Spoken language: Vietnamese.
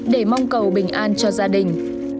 để mong cầu bình an cho gia đình